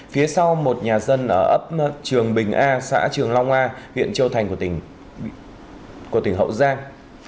phía sau một nhà dân ở ấp trường bình a xã trường long a huyện châu thành của tỉnh của tỉnh hậu giang